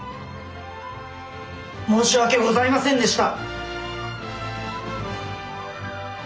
申し訳ございませんでした。